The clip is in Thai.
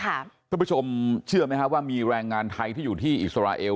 คุณผู้ชมเชื่อไหมครับว่ามีแรงงานไทยที่อยู่ที่อิสราเอล